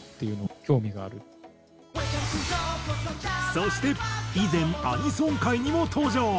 そして以前アニソン回にも登場。